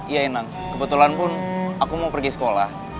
iya enak kebetulan pun aku mau pergi sekolah